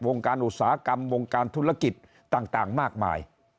วงการอุตสาหกรรมวงการธุรกิจต่างมากมาย